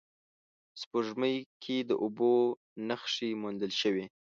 سپوږمۍ کې د اوبو نخښې موندل شوې